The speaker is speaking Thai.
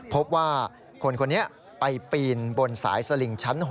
พบว่าคนคนนี้ไปปีนบนสายสลิงชั้น๖